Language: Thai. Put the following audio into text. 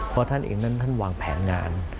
เพราะท่านเองนั้นท่านวางแผนงาน